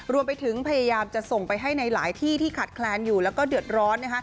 รวมไปถึงพยายามจะส่งไปให้ในหลายที่ที่ขาดแคลนอยู่แล้วก็เดือดร้อน